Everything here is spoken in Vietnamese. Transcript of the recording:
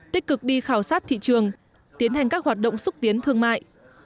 tích cực đi khảo sát thị trường tiến hành các hoạt động xúc tiến thương mại